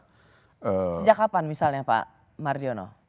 sejak kapan misalnya pak mardiono